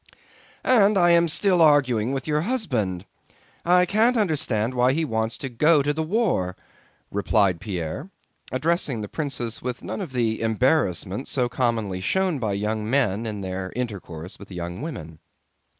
"And I am still arguing with your husband. I can't understand why he wants to go to the war," replied Pierre, addressing the princess with none of the embarrassment so commonly shown by young men in their intercourse with young women.